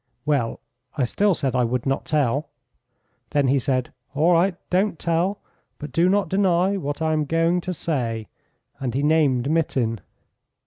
Well, I still said I would not tell. Then he said, 'All right, don't tell, but do not deny what I am going to say.' And he named Mitin."